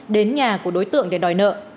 đến nhà của đối tượng để đòi nợ